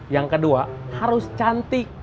yang kedua harus cantik